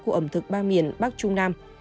của ẩm thực ba miền bắc trung nam